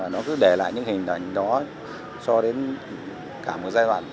nó cứ để lại những hình ảnh đó cho đến cả một giai đoạn